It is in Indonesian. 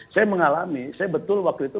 saya mengalami saya betul waktu itu